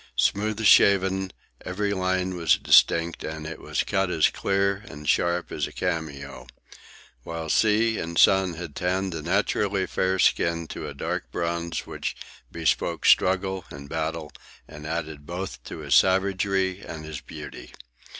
Smooth shaven, every line was distinct, and it was cut as clear and sharp as a cameo; while sea and sun had tanned the naturally fair skin to a dark bronze which bespoke struggle and battle and added both to his savagery and his beauty.